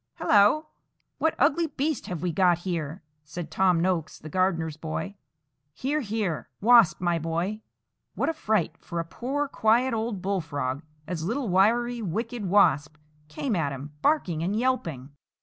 "Hallo! what ugly beast have we got here?" said Tom Noakes, the gardener's boy. "Here, here, Wasp, my boy." What a fright for a poor, quiet, old Bullfrog, as little wiry, wicked Wasp came at him, barking and yelping.